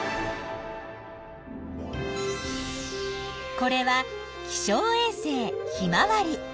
これは気象衛星ひまわり。